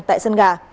tại sân gà